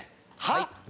はい。